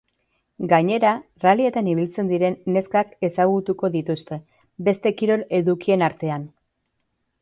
Gainera, rallyetan ibiltzen diren neskak ezagutuko dituzte, beste kirol edukien artean.